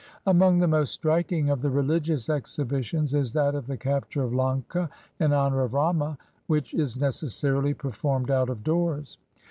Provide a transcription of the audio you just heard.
Among the most striking of the rehgious exhibitions is that of the capture of Lanka, in honor of Rama, which is necessarily performed out of doors.